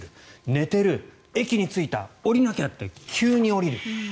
寝ている、駅に着いた降りなきゃって急に降りる。